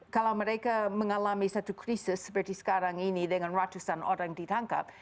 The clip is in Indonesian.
kalau mereka mengalami satu krisis seperti sekarang ini dengan ratusan orang ditangkap